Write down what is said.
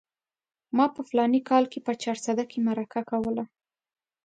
ما په فلاني کال کې په چارسده کې مرکه کوله.